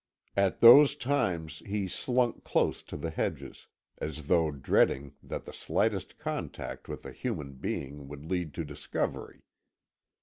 At those times he slunk close to the hedges, as though dreading that the slightest contact with a human being would lead to discovery.